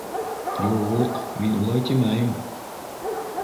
Ю-у-уҡ, мин улай тимәйем.